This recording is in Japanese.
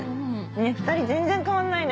２人全然変わんないね。